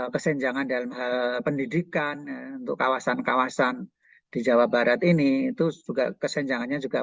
kesenjangan dalam hal pendidikan untuk kawasan kawasan di jawa barat ini itu juga kesenjangannya juga